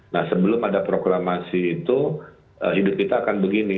nah sebelum ada proklamasi itu hidup kita akan begini